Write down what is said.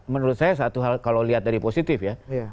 menurut saya satu hal kalau lihat dari positif ya